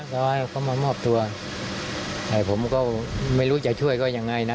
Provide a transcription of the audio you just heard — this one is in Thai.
ก็ให้เขามามอบตัวแต่ผมก็ไม่รู้จะช่วยก็ยังไงนะ